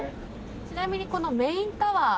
ちなみにこのメインタワー